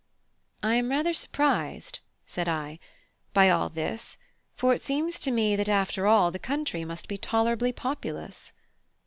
"I am rather surprised," said I, "by all this, for it seems to me that after all the country must be tolerably populous."